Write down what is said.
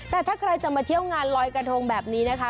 แต่ถ้าใครจะมาเที่ยวงานลอยกระทงแบบนี้นะคะ